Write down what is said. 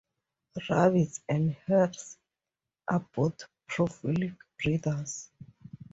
Rabbits and hares are both prolific breeders.